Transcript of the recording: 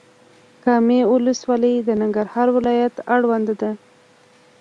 کامې ولسوالۍ د ننګرهار ولايت اړوند ده.